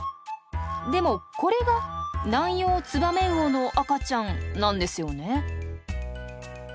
でもこれがナンヨウツバメウオの赤ちゃんなんですよね？